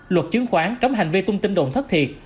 luật chứng khoán cấm hành vi tung tin đồn thất thiệt